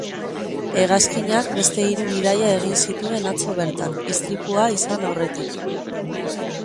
Hegazkinak beste hiru bidaia egin zituen atzo bertan, istripua izan aurretik.